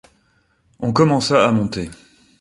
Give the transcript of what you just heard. On commença à monter.